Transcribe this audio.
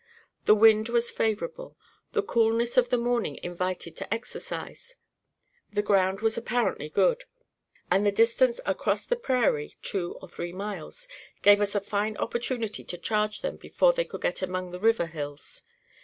The wind was favorable; the coolness of the morning invited to exercise; the ground was apparently good, and the distance across the prairie (two or three miles) gave us a fine opportunity to charge them before they could get among the river hills.